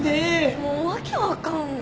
もう訳分かんない。